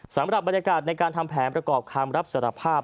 สำหรับบรรยากาศในการทำแผนประกอบคำรับสารภาพ